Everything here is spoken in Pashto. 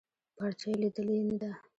پارچه يې ليدلې نده.